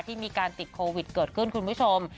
ที่มีการติดโควิดเกิดขึ้นคุณผู้ชม